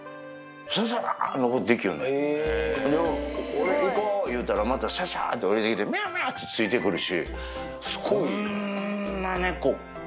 俺「行こう」言うたらまたシャシャって下りてきてミャミャってついてくるし。